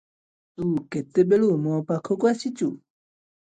ତୁ କେତେବେଳୁ ମୋ ପାଖକୁ ଆସିଚୁ?